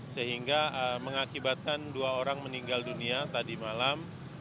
sehingga mengakibatkan dua orang meninggal dunia tadi malam